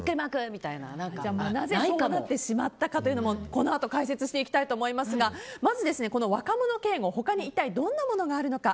なぜそうなってしまったかというのも、このあと解説していきたいと思いますがまず、若者敬語他に一体どんなものがあるのか。